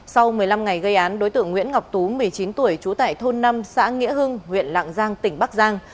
sau một mươi năm ngày gây án đối tượng nguyễn ngọc tú một mươi chín tuổi trú tại thôn năm xã nghĩa hưng huyện lạng giang tỉnh bắc giang